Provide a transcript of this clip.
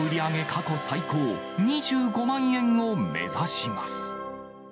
過去最高２５万円を目指します。